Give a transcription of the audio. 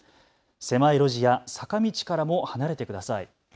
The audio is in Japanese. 狭い路地や坂道からも離れてください。